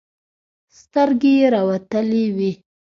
سترگې يې راوتلې وې.